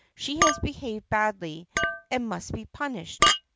She has behaved badly and must be punished.